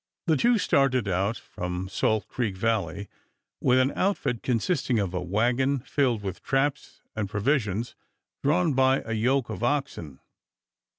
The two started out from Salt Creek Valley with an outfit consisting of a wagon filled with traps and provisions, drawn by a yoke of oxen.